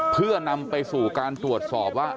เพื่อนำไปสู่การตรวจสอบว่า